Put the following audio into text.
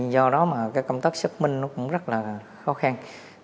do đó mà cái công tác xác minh nó cũng rất là khó khăn